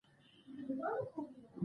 سیاسي نظام د خلکو له ملاتړ ژوندی دی